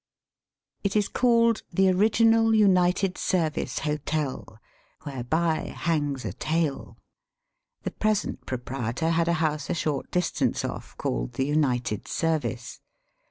It is called ^'The Original United Service Hotel," whereby hangs a tale. The present proprietor had a house a short distance off called the United Service.